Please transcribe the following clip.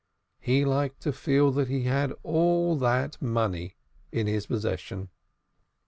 He liked to feel that he had all that money in his possession.